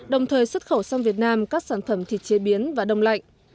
đồng thời xuất khẩu sang việt nam các sản phẩm thịt chế biến và đông lạnh